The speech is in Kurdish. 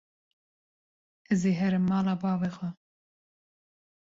Ez ê herim mala bavê xwe.